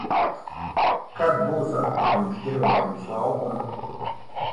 Kad būs atkritumi šķirošanas laukumi?